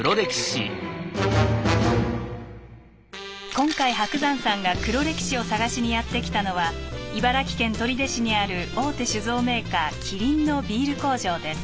今回伯山さんが黒歴史を探しにやって来たのは茨城県取手市にある大手酒造メーカーキリンのビール工場です。